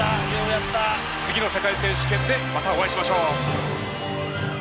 次の世界選手権でまたお会いしましょう。